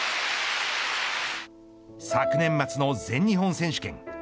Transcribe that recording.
昨年末の全日本選手権。